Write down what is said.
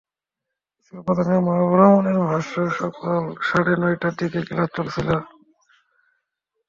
স্কুলের প্রধান শিক্ষক মাহাবুবুর রহমানের ভাষ্য, সকাল সাড়ে নয়টার দিকে ক্লাস চলছিল।